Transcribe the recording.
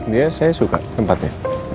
dia saya suka tempatnya